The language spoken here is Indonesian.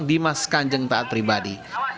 dimas kanjeng taat pribadi